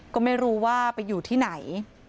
ก็ไม่รู้ว่าไปอยู่ที่ไหน